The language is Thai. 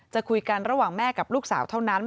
จะคุยกันระหว่างแม่กับลูกสาวเท่านั้น